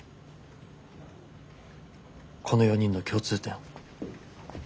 この４人の共通点。